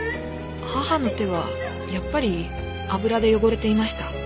母の手はやっぱり油で汚れていました。